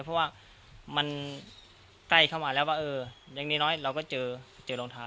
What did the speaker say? เพราะว่ามันใกล้เข้ามาแล้วว่าเอออย่างน้อยเราก็เจอรองเท้า